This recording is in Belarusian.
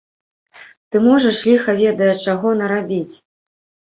Ты можаш ліха ведае чаго нарабіць.